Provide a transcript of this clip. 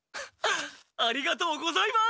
ありがとうございます！